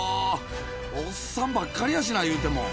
おっさんばっかりやしな、言うても。